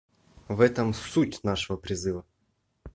В этом суть нашего призыва.